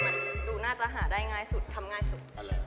ว่าลูกเดื่อยจะหาได้ง่ายสุดทำง่ายสุด